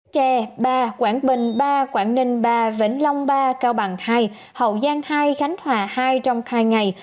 tre ba quảng bình ba quảng ninh ba vĩnh long ba cao bằng hai hậu giang hai khánh hòa hai trong hai ngày